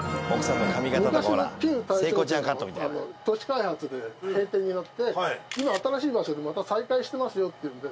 昔の旧「大勝軒」が都市開発で閉店になって今新しい場所でまた再開してますよっていうんで。